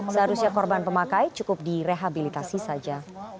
seharusnya korban pemakai cukup direhabilitasi saja